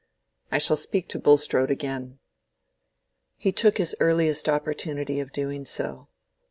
I shall speak to Bulstrode again." He took his earliest opportunity of doing so.